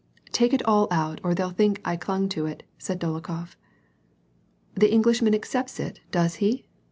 " Take it all out, or they'll think I clung to it," said Dolo khof. " The Englishman accepts it, does he